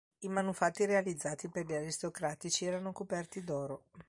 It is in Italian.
I manufatti realizzati per gli aristocratici erano coperti d'oro.